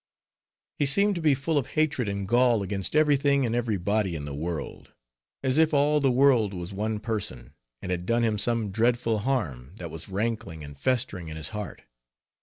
He seemed to be full of hatred and gall against every thing and every body in the world; as if all the world was one person, and had done him some dreadful harm, that was rankling and festering in his heart.